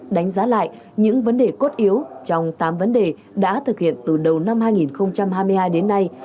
đánh giá lại những vấn đề cốt yếu trong tám vấn đề đã thực hiện từ đầu năm hai nghìn hai mươi hai đến nay